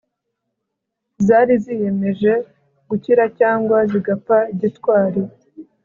zari ziyemeje gukira cyangwa zigapfa gitwari